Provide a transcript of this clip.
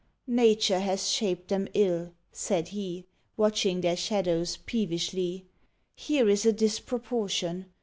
"Nature has shaped them ill," said he, Watching their shadows peevishly: "Here is a disproportion!